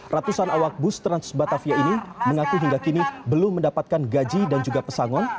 ratusan awak bus trans batavia ini mengaku hingga kini belum mendapatkan gaji dan juga pesangon